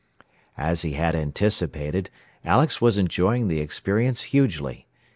As he had anticipated, Alex was enjoying the experience hugely.